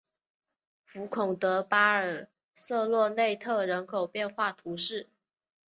福孔德巴尔瑟洛内特人口变化图示